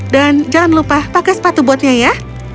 dan jangan lupa pakai sepatu botnya ya